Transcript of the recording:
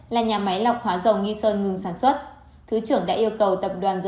là nhà máy lọc hóa dầu nghi sơn ngừng sản xuất